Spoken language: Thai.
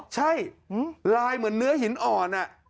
ใช่ลายเหมือนเนื้อหินอ่อน